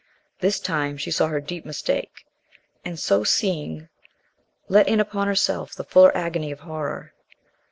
This time she saw her deep mistake, and so seeing, let in upon herself the fuller agony of horror.